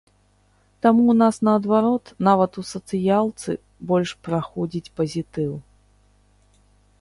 Таму ў нас наадварот нават у сацыялцы больш праходзіць пазітыў.